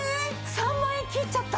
３万円切っちゃった！